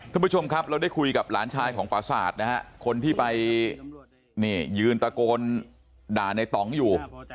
คุณผู้ชมครับเราได้คุยกับหลานชายของปราศาสตร์นะฮะคนที่ไปนี่ยืนตะโกนด่าในต่องอยู่